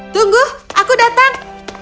tunggu aku datang